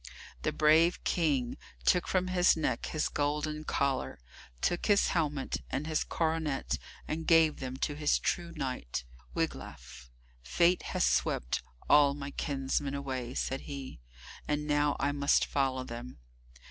The brave King took from his neck his golden collar, took his helmet and his coronet, and gave them to his true knight, Wiglaf. "Fate has swept all my kinsmen away," said he, "and now I must follow them."